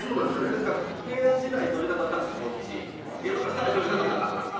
ですから平安時代撮りたかったらこっち江戸時代撮りたかったらこっち。